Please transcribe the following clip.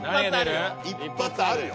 一発あるよ。